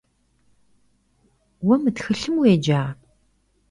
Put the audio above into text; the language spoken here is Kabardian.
Vue mı txılhım vueca?